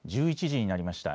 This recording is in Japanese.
１１時になりました。